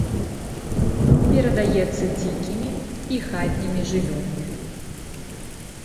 Перадаецца дзікімі і хатнімі жывёламі.